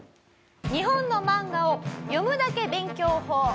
日本の漫画を読むだけ勉強法。